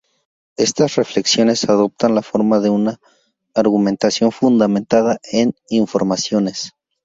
Estas reflexiones adoptan la forma de una argumentación fundamentada en informaciones.